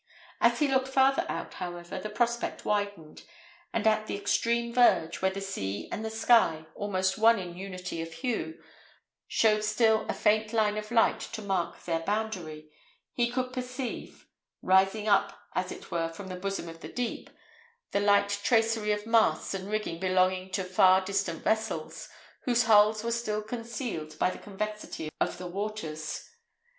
As he looked farther out, however, the prospect widened; and at the extreme verge, where the sea and the sky, almost one in unity of hue, showed still a faint line of light to mark their boundary, he could perceive, rising up as it were from the bosom of the deep, the light tracery of masts and rigging belonging to far distant vessels, whose hulls were still concealed by the convexity of the waters.